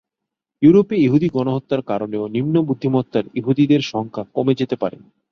ইউরোপে ইহুদি গণহত্যার কারণেও নিম্ন বুদ্ধিমত্তার ইহুদিদের সংখ্যা কমে যেতে পারে।